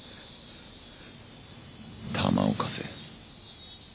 弾を貸せ。